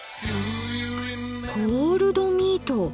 「コールドミート」。